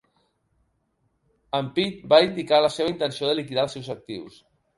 Amp'd va indicar la seva intenció de liquidar els seus actius.